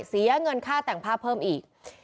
เสียเงินค่าแต่งผ้าเพิ่มอีก